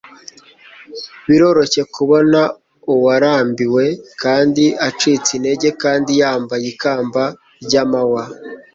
Biroroshye kubona uwarambiwe kandi acitse intege kandi yambaye ikamba ryamahwa